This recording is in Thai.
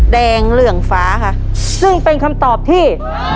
เหลืองฟ้าค่ะซึ่งเป็นคำตอบที่